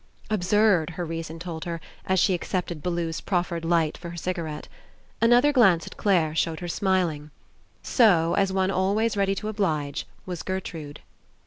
Absurd, her reason told her, as she accepted Bellew's proffered light for her cigarette. An other glance at Clare showed her smiling. So, as one always ready to oblige, was Gertrude.